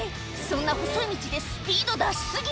そんな細い道でスピード出し過ぎ！